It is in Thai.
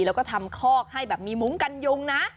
แล้วก็ทำคอกให้แบบมีมุ้งกันยุงนะ